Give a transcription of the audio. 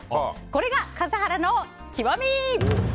これが笠原の極み。